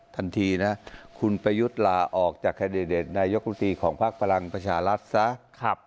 ทันทีนะครับคุณประยุทธ์ลาออกจากคาเด็ดนายกุธีของภาคประหลังประชารัฐสะครับ